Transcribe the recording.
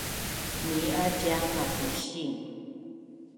Nii’a cia mapising